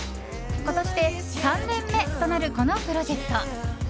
今年で３年目となるこのプロジェクト。